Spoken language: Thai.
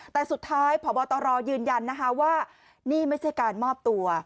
แต่สุดท้ายพบตรยืนยันนะคะว่านี่ไม่ใช่การมอบตัว